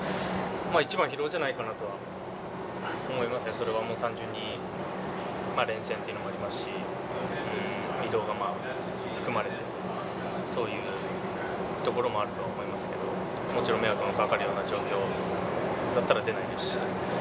一番は疲労じゃないかなとは思いますね、それはもう単純に、連戦というのもありますし、移動が含まれて、そういうところもあるとは思いますけど、もちろん迷惑のかかるような状況だったら出ないですし。